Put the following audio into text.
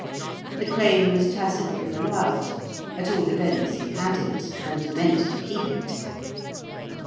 The claim was tacitly allowed; at all events, he had it, and meant to keep it.